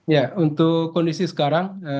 ya untuk kondisi sekarang